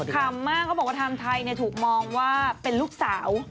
คำมากเขาบอกว่าไทม์ไทยถูกมองว่าเป็นลูกสาว